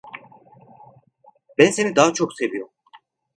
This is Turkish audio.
Ben seni daha çok seviyorum.